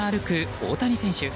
大谷選手。